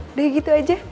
udah gitu aja